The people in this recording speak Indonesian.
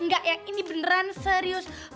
gak yakin di beneran serius